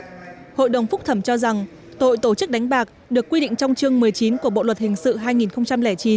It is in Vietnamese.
trong đó hội đồng phúc thẩm cho rằng tội tổ chức đánh bạc được quy định trong chương một mươi chín của bộ luật hình sự hai nghìn chín